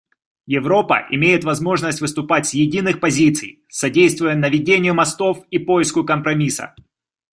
Европа имеет возможность выступать с единых позиций, содействуя наведению мостов и поиску компромисса.